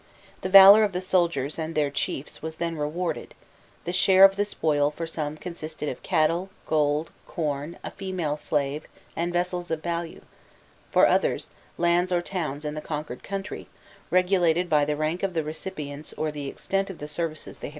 The valour of the soldiers and their chiefs was then rewarded; the share of the spoil for some consisted of cattle, gold, corn, a female slave, and vessels of value; for others, lands or towns in the conquered country, regulated by the rank of the recipients or the extent of the services they had rendered.